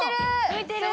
浮いてる！